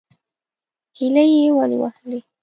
_هيلۍ يې ولې وهلې؟